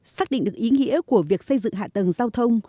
xác định được ý nghĩa của việc xây dựng hạ tầng giao thông